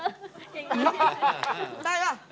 ยังไงได้หรอ